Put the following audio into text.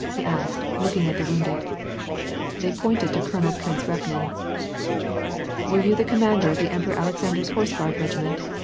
" he asked, looking at the Toonded. They pointed to Colonel Prince Repnin. "Were you the commander of the Emperor Alexander's Hotse guard regiment